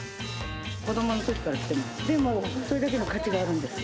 子どものときから来てます。